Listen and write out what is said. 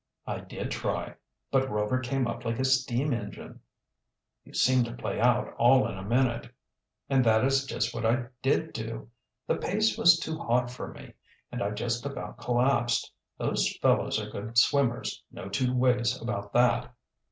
"I did try. But Rover came up like a steam engine." "You seemed to play out all in a minute." "And that is just what I did do. The pace was too hot for me, and I just about collapsed. Those fellows are good swimmers, no two ways about that."